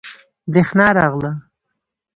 بریښنا راغله